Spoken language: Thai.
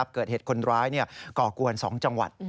เกิดเหตุคนร้ายก่อกวน๒จังหวัด